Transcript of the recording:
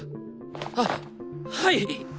はっはい！